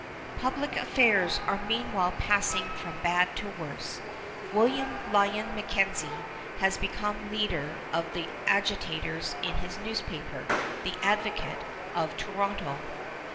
Public affairs are meanwhile passing from bad to worse. William Lyon MacKenzie has become leader of the agitators in his newspaper, The Advocate, of Toronto.